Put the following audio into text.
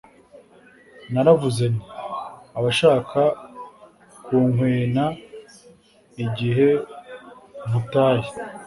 Naravuze nti Abashaka kunkwena igihe mputaye